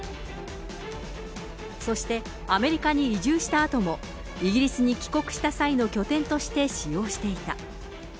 そして、アメリカに移住したあとも、イギリスに帰国した際の拠点として使用していた。